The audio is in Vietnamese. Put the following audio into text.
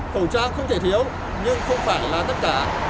khẩu trang không thể thiếu nhưng không phải là tất cả